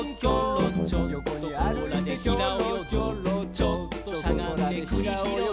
「ちょっとしゃがんでくりひろい」